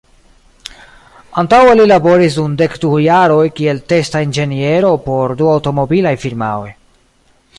Antaŭe li laboris dum dek du jaroj kiel testa inĝeniero por du aŭtomobilaj firmaoj.